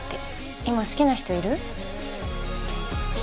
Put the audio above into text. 今好きな人いる？